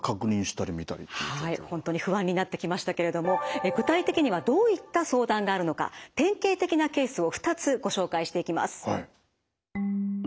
本当に不安になってきましたけれども具体的にはどういった相談があるのか典型的なケースを２つご紹介していきます。